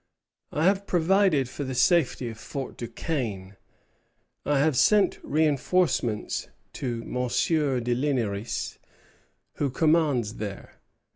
"I have provided for the safety for Fort Duquesne." "I have sent reinforcements to M. de Ligneris, who commands there."